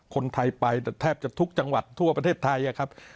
คนไทยไปแต่แทบจะทุกจังหวัดทั่วประเทศไทยครับ